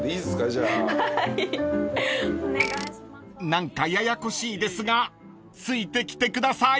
［何かややこしいですがついてきてください］